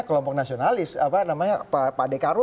kelompok nasionalis apa namanya pak dekarwo